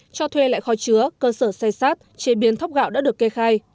cho thuê lại kho chứa cơ sở say sát chế biến thốc gạo đã được kê khai